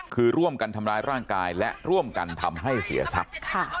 คือร่วมกันทำร้ายร่างกายและร่วมกันทำให้เสียทรัพย์